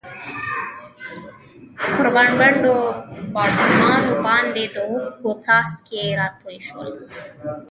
پر پڼډو باړخوګانو باندې د اوښکو څاڅکي راتوی شول.